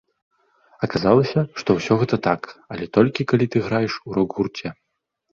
Аказалася, што ўсё гэта так, але толькі калі ты граеш у рок-гурце.